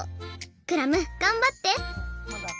クラムがんばって！